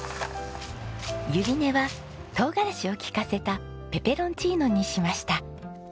ユリネは唐辛子を利かせたペペロンチーノにしました。